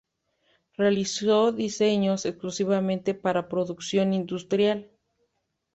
Realizó diseños exclusivamente para producción industrial.